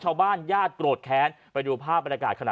ชาวบ้านญาติโปรดแค้นไปดูภาพบรรยากาศขณะ